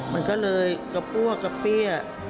มันก็เลยกระปั้วกระเปี้ย